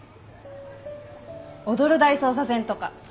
『踊る大捜査線』とか。